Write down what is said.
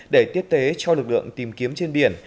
để tiếp tế cho lực lượng tìm kiếm trên biển